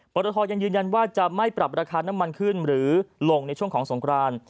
รตทยังยืนยันว่าจะไม่ปรับราคาน้ำมันขึ้นหรือลงในช่วงของสงคราน